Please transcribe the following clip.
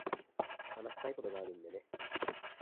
話したいことがあるんでね。